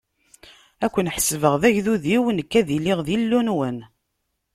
Ad ken-ḥesbeɣ d agdud-iw, nekk ad iliɣ d Illu-nwen.